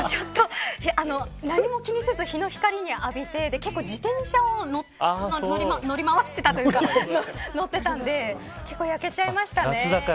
何も気にせず日の光を浴びて結構、自転車に乗り回してたというか結構、焼けちゃいましたね。